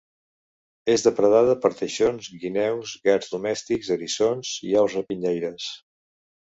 És depredada per teixons, guineus, gats domèstics, eriçons i aus rapinyaires.